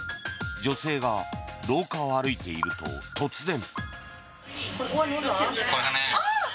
女性が廊下を歩いていると突然。